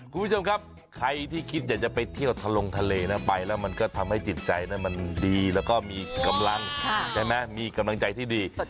คุณผู้ชมครับใครที่คิดอยากจะไปเที่ยวทะลงทะเลนะไปแล้วมันก็ทำให้จิตใจมันดีแล้วก็มีกำลังใช่ไหมมีกำลังใจที่ดี